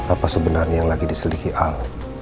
apa sebenarnya yang lagi diselidiki al